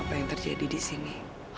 apa yang terjadi di sini